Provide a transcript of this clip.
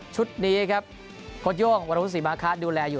ชุดนี้ครับโคตรยงวารวุฒิศีมาคะดูแลอยู่